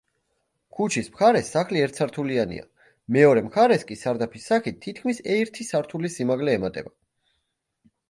ქუჩის მხარეს სახლი ერთსართულიანია, მეორე მხარეს კი სარდაფის სახით თითქმის ერთი სართულის სიმაღლე ემატება.